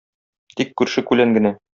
Тик күрше-күлән генә.